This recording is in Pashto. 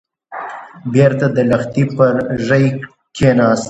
بېرته د لښتي پر ژۍ کېناست.